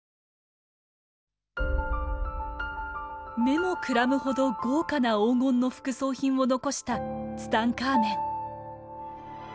目もくらむほど豪華な黄金の副葬品を残したツタンカーメン。